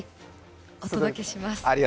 お届けします。